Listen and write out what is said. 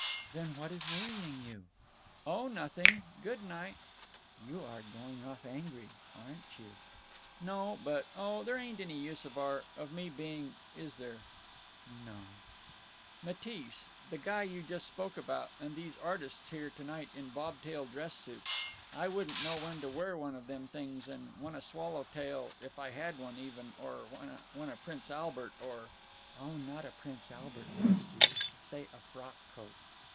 "Then what is worrying you?" "Oh—nothing. Good ni—" "You are going off angry. Aren't you?" "No, but—oh, there ain't any use of our—of me being— Is there?" "N no—" "Matisse—the guy you just spoke about—and these artists here tonight in bobtail dress suits—I wouldn't know when to wear one of them things, and when a swallow tail—if I had one, even—or when a Prince Albert or—" "Oh, not a Prince Albert, Mouse dear. Say, a frock coat."